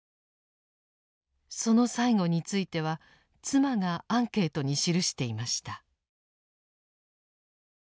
その最期については妻がアンケートに記していました。